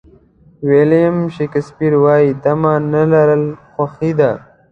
ویلیام شکسپیر وایي تمه نه لرل خوښي ده.